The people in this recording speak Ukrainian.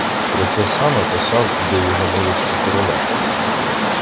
Про це саме писав і до його милості короля.